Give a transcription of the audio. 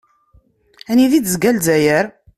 Anda i d-tezga Lezzayer?